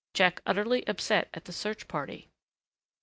Jack utterly upset at the search party....